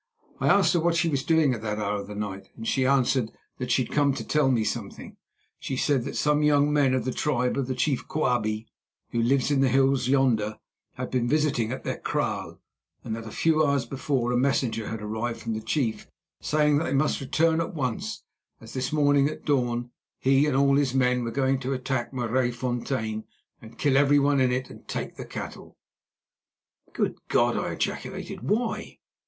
I asked her what she was doing at that hour of the night, and she answered that she had come to tell me something. She said that some young men of the tribe of the chief Quabie, who lives in the hills yonder, had been visiting at their kraal, and that a few hours before a messenger had arrived from the chief saying that they must return at once, as this morning at dawn he and all his men were going to attack Maraisfontein and kill everyone in it and take the cattle!" "Good God!" I ejaculated. "Why?"